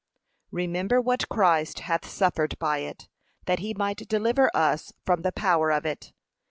Remember what Christ hath suffered by it, that he might deliver us from the power of it.